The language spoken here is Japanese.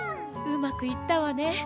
うまくいったわね！